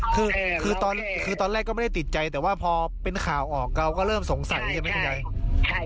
คือทำล่ะให้คนตอนแรกก็ไม่ได้ติดใจแต่ว่าพอเป็นข่าวออกออกก็เริ่มสงสัยหรือกันไหมไง